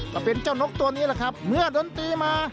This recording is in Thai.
ก็เป็นเจ้านกตัวนี้แหละครับเมื่อดนตรีมา